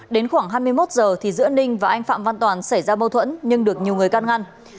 đến khoảng hai mươi một giờ thì giữa ninh và anh phạm văn toàn xảy ra mâu thuẫn nhưng được nhiều người can ngăn